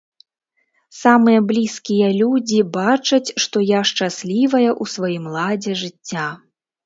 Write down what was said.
Самыя блізкія людзі бачаць, што я шчаслівая ў сваім ладзе жыцця.